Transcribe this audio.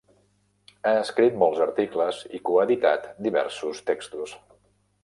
Ha escrit molts articles i coeditat diversos textos.